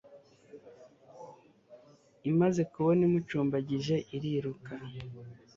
Imaze kubona imucumbagije iriruka